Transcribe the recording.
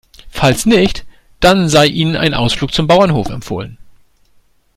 Falls nicht, dann sei Ihnen ein Ausflug zum Bauernhof empfohlen.